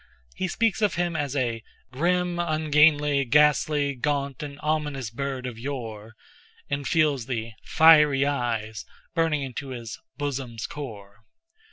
He speaks of him as a "grim, ungainly, ghastly, gaunt, and ominous bird of yore," and feels the "fiery eyes" burning into his "bosom's core."